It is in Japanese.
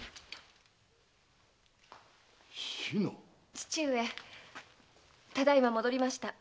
父上ただいま戻りました。